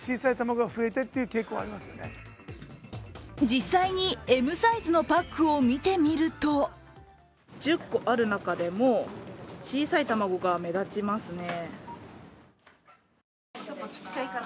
実際にＭサイズのパックを見てみると１０個ある中でも小さい卵が目立ちますね。